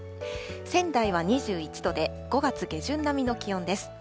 仙台は２１度で５月下旬並みの気温です。